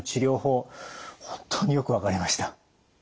本当によく分かりました。